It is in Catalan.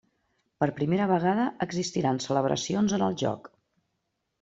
Per primera vegada, existiran celebracions en el joc.